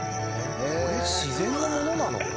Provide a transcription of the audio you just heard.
これ自然のものなの？